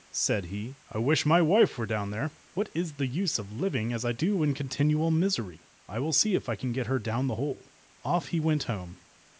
said he, "I wish my wife were down there! What is the use of living as I do in continual misery? I will see if I can get her down the hole." Off he went home.